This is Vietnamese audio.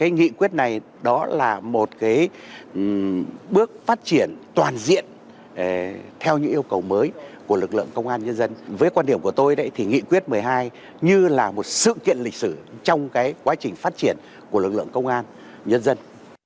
nghị quyết này đó là một bước phát triển toàn diện theo những yêu cầu mới của lực lượng công an nhân dân với quan điểm của tôi thì nghị quyết một mươi hai như là một sự kiện lịch sử trong quá trình phát triển của lực lượng công an nhân dân